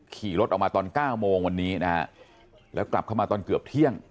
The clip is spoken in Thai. ขี่รถออกมาตอนเก้าโมงวันนี้นะฮะแล้วกลับเข้ามาตอนเกือบเที่ยง